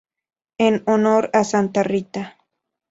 En honor a Santa Rita.